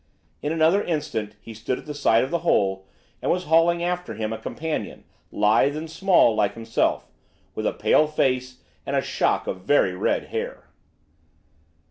In another instant he stood at the side of the hole and was hauling after him a companion, lithe and small like himself, with a pale face and a shock of very red hair.